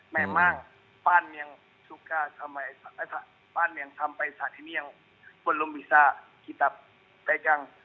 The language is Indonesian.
memang pan yang suka sama pan yang sampai saat ini yang belum bisa kita pegang